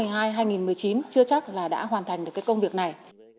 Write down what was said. chưa chắc là đã hoàn thành được cái công việc này